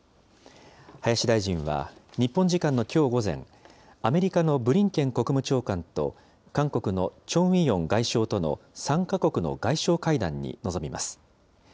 林大臣は日本時間のきょう午前、アメリカのブリンケン国務長官と韓国のチョン・ウィヨン外相との３か国の外相会談に臨みます。